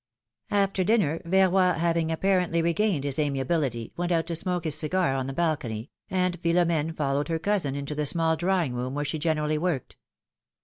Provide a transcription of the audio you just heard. FTER dinner, Verroy having apparently regained his amiability, went out to smoke his cigar on the balcony, and Philom^ne followed her cousin into the small drawing room where she generally worked.